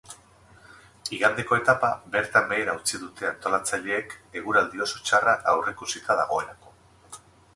Igandeko etapa bertan behera utzi dute antolatzaileek, eguraldi oso txarra aurreikusita dagoelako.